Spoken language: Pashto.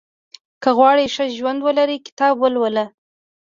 • که غواړې ښه ژوند ولرې، کتاب ولوله.